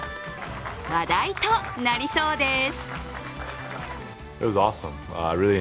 話題となりそうです。